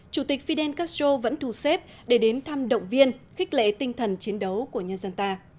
chủ tịch fidel castro vẫn thu xếp để đến thăm động viên khích lệ tinh thần chiến đấu của nhân dân ta